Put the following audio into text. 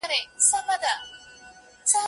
چي بیا تښتي له کابله زخمي زړونه مات سرونه